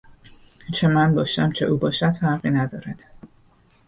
چه من باشم چه او باشد فرقی ندارد